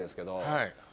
はい。